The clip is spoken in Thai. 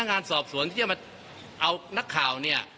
งานสอบสวนที่จะมาเอานักข่าวเนี่ย